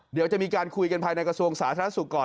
เดี๋ยวจะมีการคุยกันภายในกระทรวงสาธารณสุขก่อน